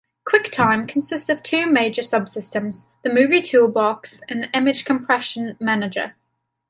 QuickTime consists of two major subsystems: the Movie Toolbox and the Image Compression Manager.